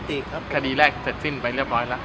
จคดีแรกเกิดสิ้นไปเรื้อบร้อยนะ